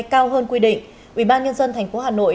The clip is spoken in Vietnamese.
cao hơn quy định ubnd tp hà nội